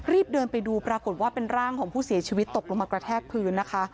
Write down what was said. รีบเดินไปดูปรากฏว่าเป็นร่างของผู้เสียชีวิตตกลงมากระแทกพื้นนะคะ